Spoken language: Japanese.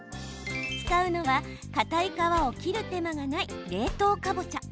使うのはかたい皮を切る手間がない冷凍かぼちゃ。